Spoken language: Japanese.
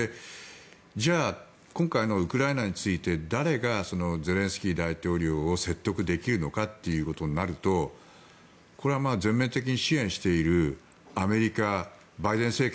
じゃあ今回のウクライナについて誰がゼレンスキー大統領を説得できるのかになると全面的に支援しているアメリカ、バイデン政権。